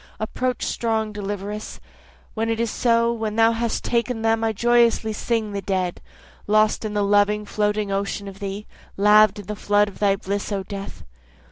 Approach strong deliveress, When it is so, when thou hast taken them I joyously sing the dead, Lost in the loving floating ocean of thee, Laved in the flood of thy bliss O death.